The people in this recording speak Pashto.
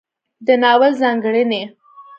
د ناول ځانګړنې